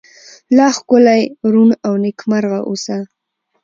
لا ښکلې، ړون، او نکيمرغه اوسه👏